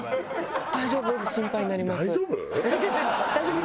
「大丈夫」？